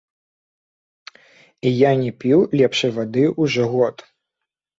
І я не піў лепшай вады ўжо год.